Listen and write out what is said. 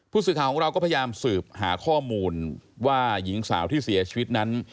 ผู้สื่อข่าวของเราก็พยายามสืบหาข้อมูลว่าหญิงสาวที่เสียชีวิตนั้น